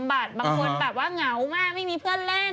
บางคนแบบว่าเหงามากไม่มีเพื่อนเล่น